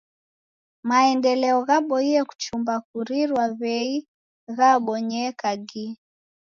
Maendeleo ghaboie kuchumba kurirwa w'ei ghabonyeka gi.